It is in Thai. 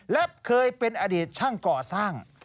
และเคยเป็นอดีตช่างก่อสร้าง